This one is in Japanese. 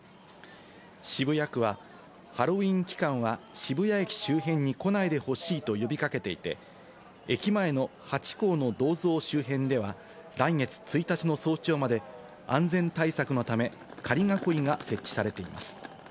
渋谷区はハロウィーン期間は渋谷駅周辺に来ないでほしいと呼びかけていて、駅前のハチ公の銅像周辺では、来月１日の早朝まで安全対策のため、仮囲いが設置されています。